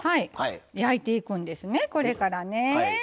焼いていくんですねこれからね。